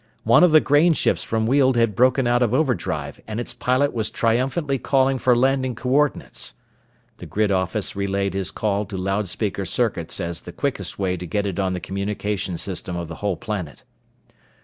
One of the grain ships from Weald had broken out of overdrive and its pilot was triumphantly calling for landing coordinates. The grid office relayed his call to loudspeaker circuits as the quickest way to get it on the communication system of the whole planet.